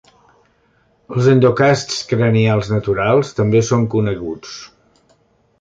Els endocasts cranials naturals també són coneguts.